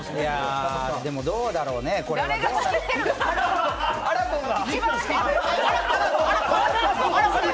でもどうだろうね、これはあらぽんだ。